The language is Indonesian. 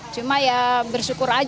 cuma ya bersyukur aja